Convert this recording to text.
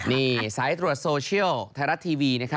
นี่สายตรวจโซเชียลไทยรัฐทีวี